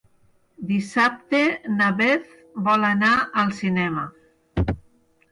Dissabte na Beth vol anar al cinema.